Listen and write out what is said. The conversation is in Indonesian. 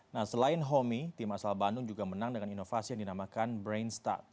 nah selain homi tim asal bandung juga menang dengan inovasi yang dinamakan brain start